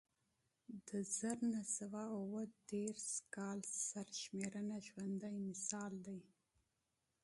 د زر نه سوه اووه دېرش کال سرشمېرنه ژوندی مثال دی